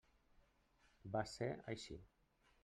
Va ser així.